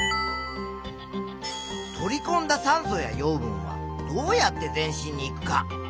「取りこんだ酸素や養分はどうやって全身にいく」か？